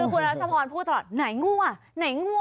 คือคุณรัชพรพูดตลอดไหนงูอ่ะ